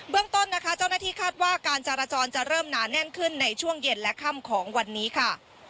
ต้นนะคะเจ้าหน้าที่คาดว่าการจราจรจะเริ่มหนาแน่นขึ้นในช่วงเย็นและค่ำของวันนี้ค่ะ